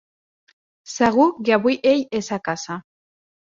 Segur que avui ell és a casa.